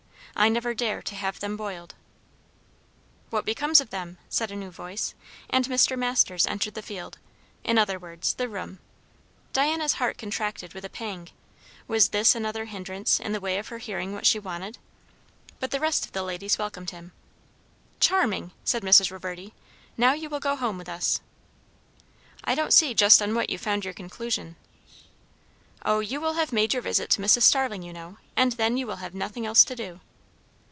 I never dare to have them boiled." "What becomes of them?" said a new voice; and Mr. Masters entered the field in other words, the room. Diana's heart contracted with a pang; was this another hindrance in the way of her hearing what she wanted? But the rest of the ladies welcomed him. "Charming!" said Mrs. Reverdy; "now you will go home with us." "I don't see just on what you found your conclusion." "O, you will have made your visit to Mrs. Starling, you know; and then you will have nothing else to do."